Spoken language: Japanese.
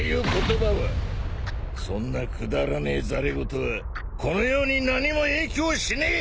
そんなくだらねえざれ言はこの世に何も影響しねえ！